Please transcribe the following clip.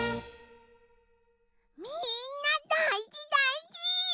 みんなだいじだいじ！